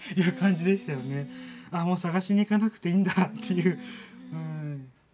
あっもう探しに行かなくていいんだっていう。